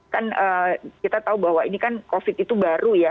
kan kita tahu bahwa ini kan covid itu baru ya